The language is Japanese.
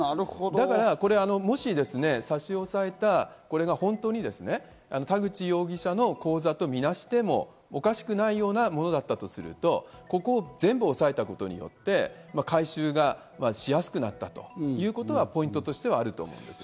だから、もし差し押さえたこれが本当に田口容疑者の口座とみなしてもおかしくないようなものだったとすると、全部を押さえたことによって回収がしやすくなったということがポイントとしてはあります。